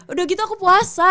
udah gitu aku puasa